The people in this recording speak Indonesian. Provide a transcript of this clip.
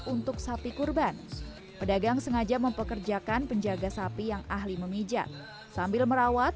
untuk sapi kurban pedagang sengaja mempekerjakan penjaga sapi yang ahli memijat sambil merawat